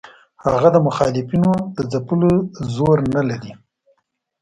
هغه د مخالفینو د ځپلو زور نه لري.